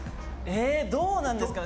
どうなんですかね。